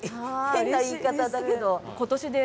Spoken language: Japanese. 変な言い方だけど。